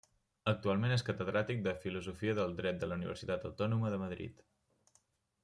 Actualment és catedràtic de Filosofia del Dret de la Universitat Autònoma de Madrid.